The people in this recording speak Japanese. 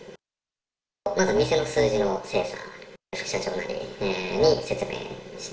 まず店の数字の精査、副社長なりに説明して。